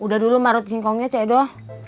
udah dulu morot singkongnya cie doh